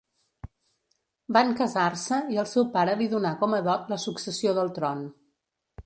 Van casar-se i el seu pare li donà com a dot la successió del tron.